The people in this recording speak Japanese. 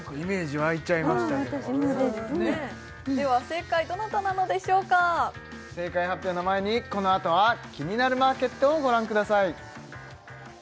正解どなたなのでしょうか正解発表の前にこのあとは「キニナルマーケット」をご覧ください